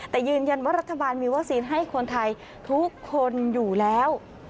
แต่ยืนยันว่ารัฐบาลมีวัคซีนให้คนไทยทุกคนอยู่แล้ว